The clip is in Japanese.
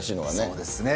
そうですね。